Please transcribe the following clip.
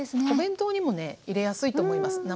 お弁当にもね入れやすいと思います。